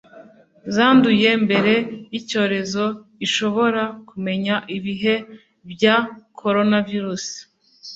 zanduye mbere y’icyorezo zishobora kumenya ibihe bya coronavirus